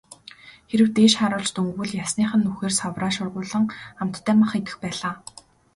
Хэрэв дээш харуулж дөнгөвөл ясных нь нүхээр савраа шургуулан амттай мах идэх байлаа.